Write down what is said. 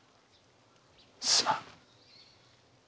すまん。